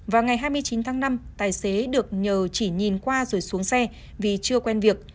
vào ngày hai mươi chín tháng năm tài xế được nhờ chỉ nhìn qua rồi xuống xe vì chưa quen việc